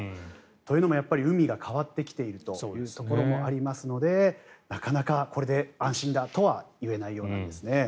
というのも海が変わってきているというところもありますのでなかなかこれで安心だとは言えないようなんですね。